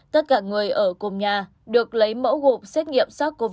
tất cả người ở cùng nhà được lấy mẫu gộp xét nghiệm sars cov hai